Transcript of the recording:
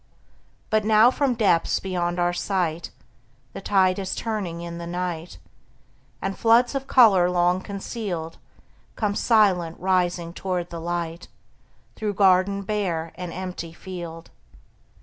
But now from depths beyond our sight, The tide is turning in the night, And floods of color long concealed Come silent rising toward the light, Through garden bare and empty field.